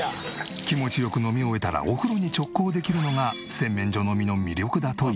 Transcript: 気持ちよく飲み終えたらお風呂に直行できるのが洗面所飲みの魅力だという。